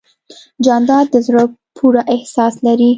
جانداد د زړه پوره احساس لري.